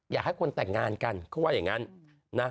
อยากให้คนแต่งงานกันเขาว่าอย่างนั้นนะ